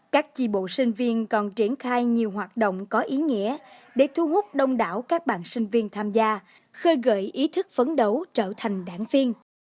các chi bộ sinh viên còn triển khai nhiều hoạt động có ý nghĩa để thu hút đông đảo các bạn sinh viên tham gia khơi gợi ý thức phấn đấu trở thành đảng viên